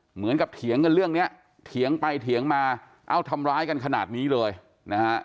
เหมือนกับเถียงเรื่องเนี้ยเถียงไปเถียงมาเอ้าทำร้ายกันขนาดนี้เลยเนี่ยฮะ